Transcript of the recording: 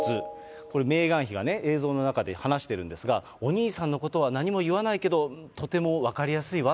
これ、メーガン妃が映像の中で話してるんですが、お兄さんのことは何も言わないけど、とても分かりやすいわ。